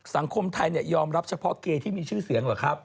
สังคมไทยยอมรับเฉพาะเกย์ที่มีชื่อเสียงเหรอครับ